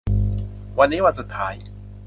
วันนี้วันสุดท้าย